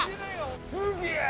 すげえ！